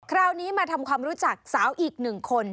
คราวนี้มาทำความรู้จักสาวอีกหนึ่งคน